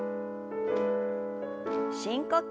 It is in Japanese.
深呼吸。